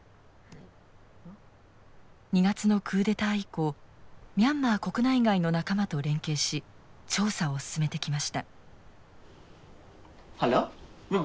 ２月のクーデター以降ミャンマー国内外の仲間と連携し調査を進めてきました。